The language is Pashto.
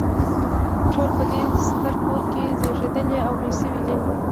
ټول په دې ستر کور کې زیږیدلي او لوی شوي دي.